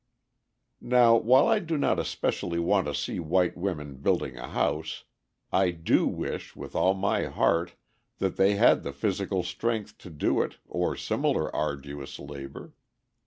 ] Now, while I do not especially want to see white women building a house, I do wish, with all my heart, that they had the physical strength to do it or similar arduous labor.